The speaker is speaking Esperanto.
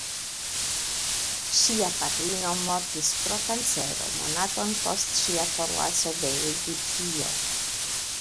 Ŝia patrino mortis pro kancero monaton post ŝia forlaso de Egiptio.